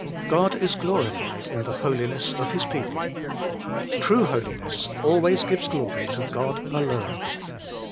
God is glorified in the holiness of His people. True holiness always gives glory to God alone.